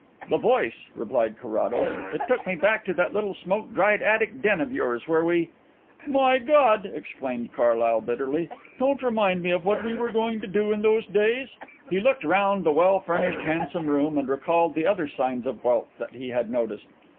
"The voice," replied Carrados. "It took me back to that little smoke dried attic den of yours where we " "My God!" exclaimed Carlyle bitterly, "don't remind me of what we were going to do in those days." He looked round the well furnished, handsome room and recalled the other signs of wealth that he had noticed.